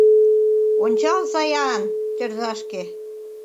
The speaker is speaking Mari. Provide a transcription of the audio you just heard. Ончалза-ян тӧрзашке.